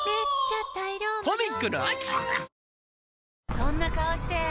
そんな顔して！